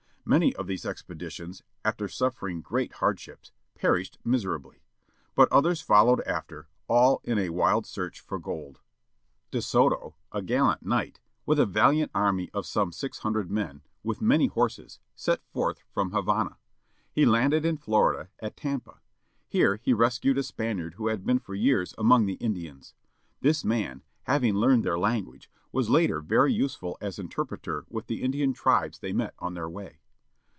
Many of theseexpedi tions, after suffering great hardships, perished J^ \ ^^|^miserably . But others fol lowed after, all in a wild search for gold. COD FISHINr. DE SOTO AT THE MISSISSIPPI, 1541 De Soto, a gallant knight, with a valiant army of some six hundred men, with many horses, set forth from Havana. He landed in Florida, at Tampa. Here he rescued a Spaniard who had been for years among the Indians. This man, having learned their language, was later very useful as interpreter with the Indian tribes they met on their way.